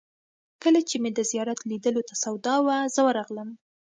کله چې مې د زیارت لیدلو ته سودا وه، زه ورغلم.